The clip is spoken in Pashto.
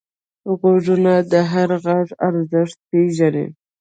غوږونه د هر غږ ارزښت پېژني